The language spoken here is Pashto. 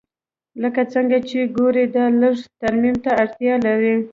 لکه څنګه چې ګورې دا لږ ترمیم ته اړتیا لري